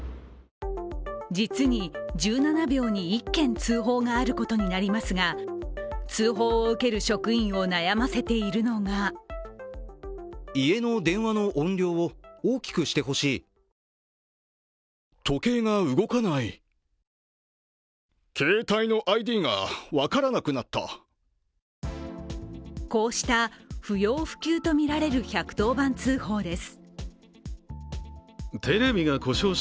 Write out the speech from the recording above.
実に１７秒に１件通報があることになりますが、通報を受ける職員を悩ませているのがこうした不要不急とみられる１１０番通報です。